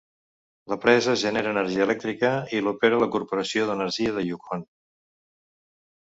La presa genera energia elèctrica i l'opera la Corporació d'Energia de Yukon.